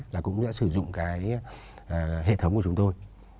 là cũng đã sử dụng cái hệ thống của chúng tôi